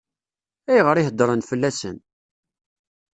Ayɣer i heddṛen fell-asen?